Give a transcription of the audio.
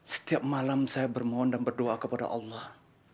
setiap malam saya bermohon dan berdoa kepada allah